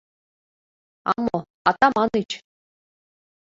— А мо, Атаманыч!